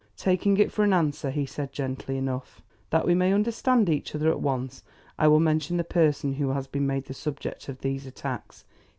Taking it for an answer, he said gently enough: "That we may understand each other at once, I will mention the person who has been made the subject of these attacks.